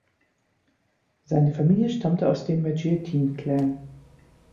Seine Familie stammte aus dem Majeerteen-Clan.